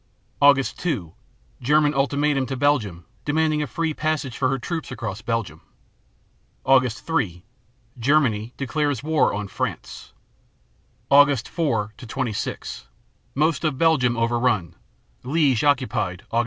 Aug. 2 German ultimatum to Belgium, demanding a free passage for her troops across Belgium. Aug. 3 Germany declares war on France. Aug. 4 26 Most of Belgium overrun: Liege occupied (Aug.